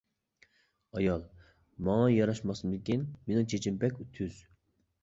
ئايال: ماڭا ياراشماسمىكىن، مېنىڭ چېچىم بەك تۈز.